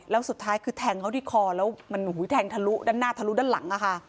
แล้วสุดท้ายคือแทงเขาที่คอแล้วมันแทงทะลุด้านหน้าทะลุด้านหลังอะค่ะ